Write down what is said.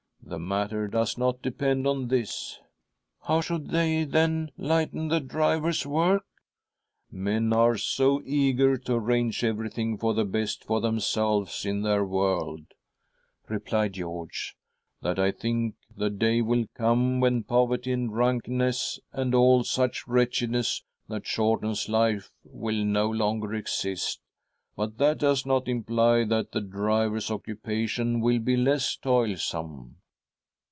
The matter does not depend on this." .." How should they, then, lighten the driver's work?" " Men are so eager to arrange everything for the best for themselves in their world," replied George, " that I think the day will come when poverty and drunkenness and all such wretchedness that shortens iife will no longer exist, but that does not imply • that the driver's occupation will be less toilsome."